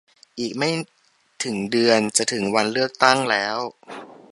อีกไม่ถึงเดือนจะถึงวันเลือกตั้งแล้ว !